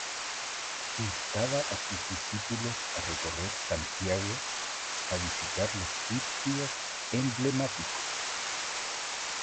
Instaba a sus discípulos a recorrer Santiago a visitar los sitos emblemáticos.